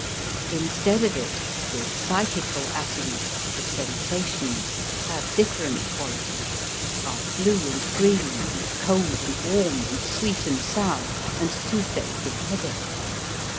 Instead of it, the psychical atoms, the sensations, have different qualities, are blue and green, and cold and warm, and sweet and sour, and toothache and headache.